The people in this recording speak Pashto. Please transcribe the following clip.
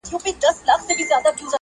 زه له توره بخته د توبې غیرت نیولی وم.!